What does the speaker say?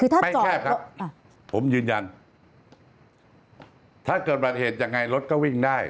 ไม่แคบครับผมยืนยันถ้าเกิดบัติเหตุยังไงรถก็วิ่งได้